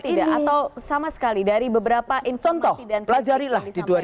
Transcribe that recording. progresnya ada tidak atau sama sekali dari beberapa informasi dan kritik yang disampaikan